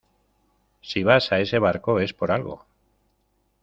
si vas a ese barco es por algo.